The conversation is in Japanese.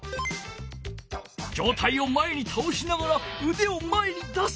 上体を前にたおしながらうでを前に出す。